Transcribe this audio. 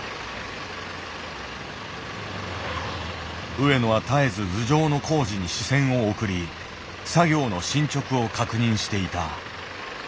上野は絶えず頭上の工事に視線を送り作業の進捗を確認していた。